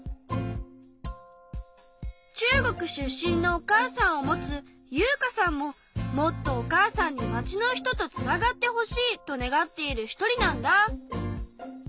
中国出身のお母さんを持つ優華さんももっとお母さんに町の人とつながってほしいと願っている一人なんだ。